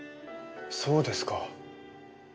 そうですか。